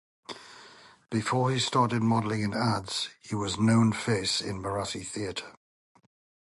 Before he started modelling in ads he was known face in Marathi theatre.